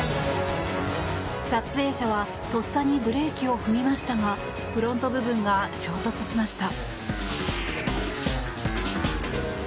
撮影者はとっさにブレーキを踏みましたがフロント部分が衝突しました。